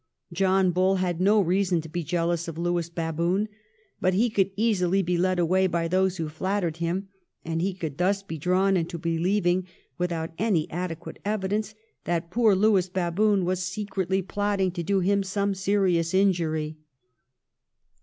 John Bull had no reason to be jealous of Lewis Baboon, but he could easily be led away by those who flattered him, and he could thus be drawn into believing without any adequate evidence that poor Lewis Baboon was secretly plotting to do him some serious injury.